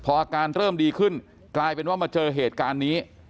พออาการเริ่มดีขึ้นกลายเป็นว่ามาเจอเหตุการณ์นี้